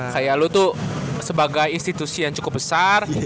saya lu tuh sebagai institusi yang cukup besar